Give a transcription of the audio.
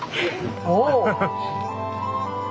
おお。